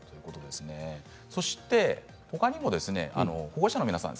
ほかにも保護者の皆さん